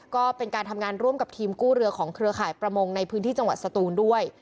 ก็เป็นการทำงานร่วมกับทีมกู้เรือของเครือข่ายประมงในพื้นที่จังหวัดสตูนด้วย